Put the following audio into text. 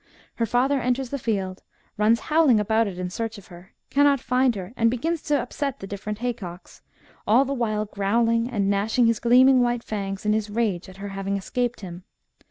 Her father enters the field, runs howling about it in search of her, cannot find her, and begins to upset the different haycocks, all the while growling and gnashing his gleaming white fangs in his rage at her having escaped him.